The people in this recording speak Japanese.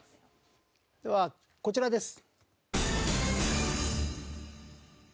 ではこちらです。